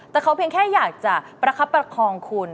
แต่เขาเพียงแค่อยากจะประคับประคองคุณ